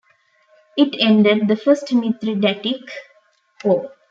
It ended the First Mithridatic War.